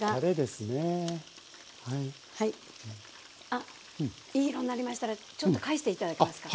あっいい色になりましたらちょっと返して頂けますか。